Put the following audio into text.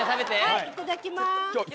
はいいただきます。